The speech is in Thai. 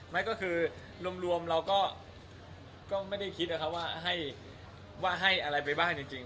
ก็คือรวมเราก็ไม่ได้คิดนะครับว่าให้อะไรไปบ้างจริง